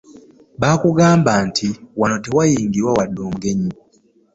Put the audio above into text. Baakugamba wano tewayingira wadde omugenyi.